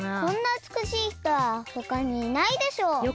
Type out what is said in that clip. こんなうつくしい人はほかにいないでしょう。